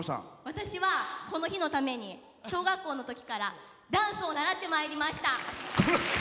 私は、この日のために小学校のときからダンスを習ってまいりました。